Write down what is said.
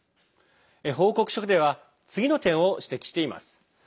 報告書では次の点を指摘しています。